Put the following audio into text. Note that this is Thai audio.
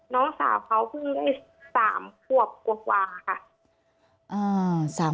น้องสาวเขาคือ๓ขวบกว่าค่ะ